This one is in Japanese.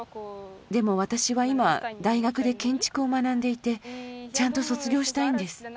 でも私は今、大学で建築を学んでいて、ちゃんと卒業したいんです。